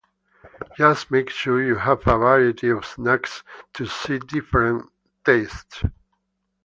Just make sure you have a variety of snacks to suit different tastes.